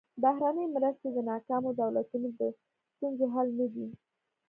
بهرنۍ مرستې د ناکامو دولتونو د ستونزو حل نه دي.